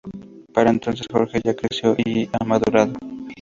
Para entonces, Jorge ya creció y ha madurado.